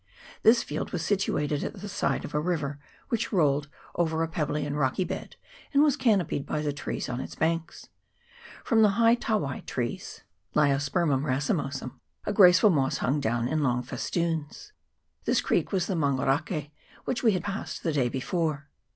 This field was situated at the side of a river, which rolled over a pebbly and rocky bed, and was canopied by the trees on its banks. From the high tawai trees 1 a graceful moss hung down in long festoons. This creek was the Mangorake, which we passed the day before.